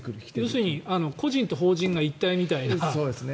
要するに個人と法人が一体みたいな。